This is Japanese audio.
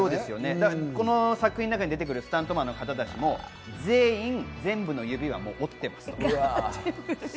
この作品の中に出てくるスタントマンの方たちも全員、全部の指はもう折ってますと。